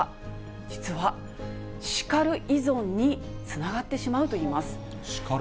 実は、叱る依存につながってしまうといいます。